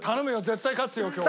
絶対勝つよ今日！